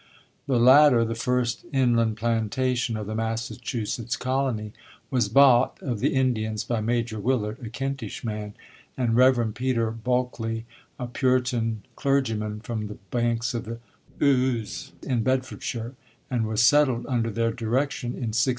The latter, the first inland plantation of the Massachusetts Colony, was bought of the Indians by Major Willard, a Kentish man, and Rev. Peter Bulkeley, a Puritan clergyman from the banks of the Ouse in Bedfordshire, and was settled under their direction in 1635.